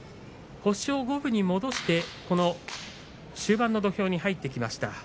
星を五分に戻して終盤の土俵に入ってきました。